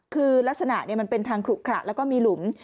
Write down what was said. คือรักษณะเป็นทางขลุกคลัดและก็มีหลุม